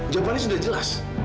jawabannya sudah jelas